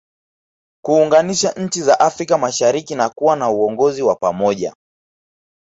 Kuunganisha nchi za Afrika mashariki na kuwa na uongozi wa pamoja